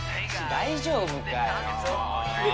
大丈夫か？